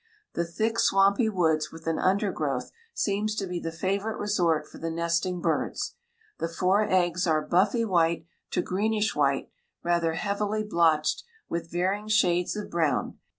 The thick swampy woods with an undergrowth seems to be the favorite resort for the nesting birds. The four eggs are buffy white to greenish white, rather heavily blotched with varying shades of brown.